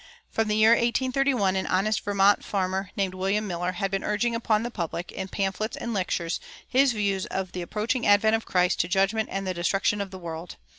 From the year 1831 an honest Vermont farmer named William Miller had been urging upon the public, in pamphlets and lectures, his views of the approaching advent of Christ to judgment and the destruction of the world.